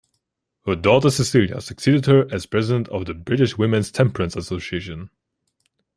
Her daughter Cecilia succeeded her as president of the British Women's Temperance Association.